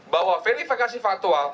bahwa verifikasi faktual